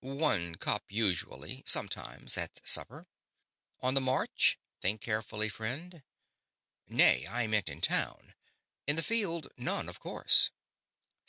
"One cup, usually sometimes at supper." "On the march? Think carefully, friend." "Nay I meant in town. In the field, none, of course."